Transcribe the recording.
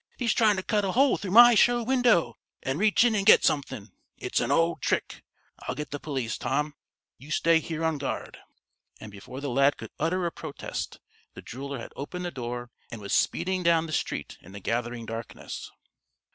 He's trying to cut a hole through my show window and reach in and get something! It's an old trick. I'll get the police! Tom, you stay here on guard!" and before the lad could utter a protest, the jeweler had opened the door, and was speeding down the street in the gathering darkness.